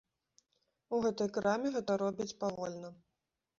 У гэтай краме гэта робяць павольна.